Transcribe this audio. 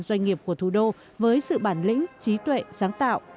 doanh nghiệp của thủ đô với sự bản lĩnh trí tuệ sáng tạo